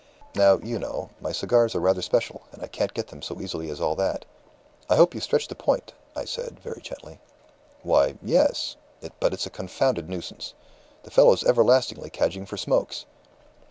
Now, you know, my cigars are rather special, and I can't get them so easily as all that.' 'I hope you stretched a point,' I said, very gently. 'Why, yes. But it's a confounded nuisance. The fellow's everlastingly cadging for smokes.